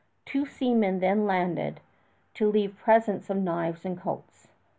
Two seamen then landed to leave presents of knives and coats.